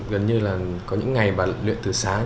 gần như là có những ngày bà luyện từ sáng